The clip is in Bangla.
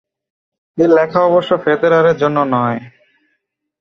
এ লেখা অবশ্য ফেদেরারের জন্য নয়।